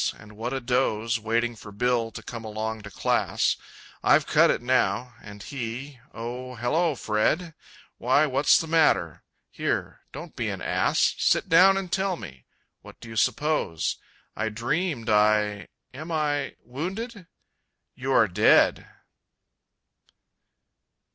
And what a doze Waiting for Bill to come along to class! I've cut it now and he Oh, hello, Fred! Why, what's the matter? here don't be an ass, Sit down and tell me! What do you suppose? I dreamed I... AM I... wounded? "YOU ARE DEAD."